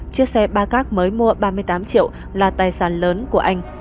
chiếc xe ba gác mới mua ba mươi tám triệu là tài sản lớn của anh